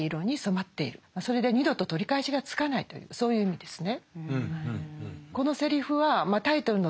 それで二度と取り返しがつかないというそういう意味ですね。